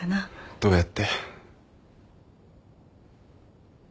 どうやって？